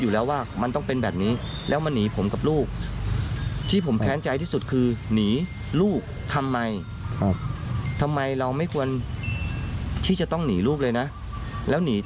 ลองฟังเขาก่อนนะ